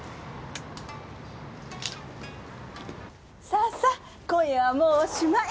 さあさあ今夜はもうおしまい！